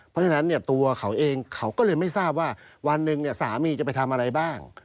เพราะฉะนั้นเนี่ยตัวเขาเองเขาก็เลยไม่ทราบว่าวันหนึ่งสามีจะไปทำอะไรบ้าง